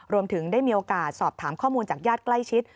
รวมถึงได้มีโอกาสสอบถามข้อมูลจากญาติใกล้ชิด